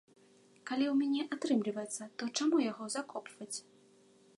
Калі ў мяне атрымліваецца, то чаму яго закопваць?